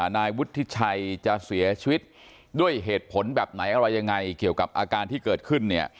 นายวุฒิชัยจะเสียชีวิตด้วยเหตุผลแบบไหนอะไรยังไงเกี่ยวกับอาการที่เกิดขึ้นเนี่ย